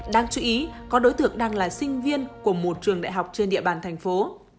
đáng chú ý có đối tượng đang là sinh viên của một trường đại học trên địa bàn thành phố